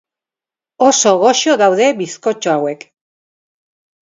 Oso goxo daude bizkotxo hauek.